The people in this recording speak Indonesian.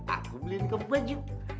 aku beli nikah baju